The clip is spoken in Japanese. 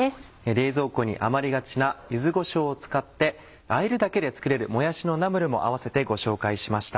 冷蔵庫に余りがちな柚子こしょうを使ってあえるだけで作れるもやしのナムルも合わせてご紹介しました